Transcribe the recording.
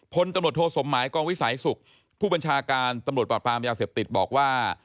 พตโทสหมายกวิสัยศุกษ์ผู้บัญชาการตปปราบยาเสพติดบอกว่า